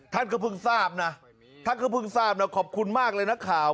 ท่านก็เพิ่งทราบนะท่านก็เพิ่งทราบนะขอบคุณมากเลยนักข่าว